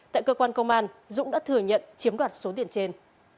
tại cơ quan công an dũng đã thừa nhận chiếm đoạt số tiền trên